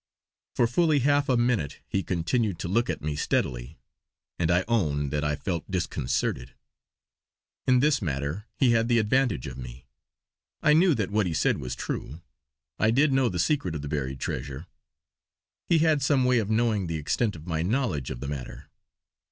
For fully half a minute he continued to look at me steadily, and I own that I felt disconcerted. In this matter he had the advantage of me. I knew that what he said was true; I did know the secret of the buried treasure. He had some way of knowing the extent of my knowledge of the matter.